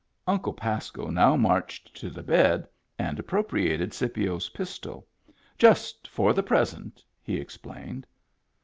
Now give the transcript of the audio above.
Uncle Pasco now marched to the bed, and ap propriated Scipio's pistol. " Just for the present," he explained.